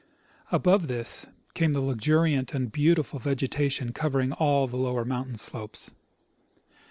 Above this came the luxuriant and beautiful vegetation covering all the lower mountain slopes.